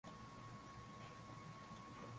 dhaa ya kiswahili ya rfi alhamisi ya